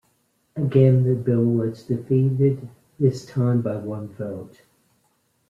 Again the bill was defeated, this time by one vote.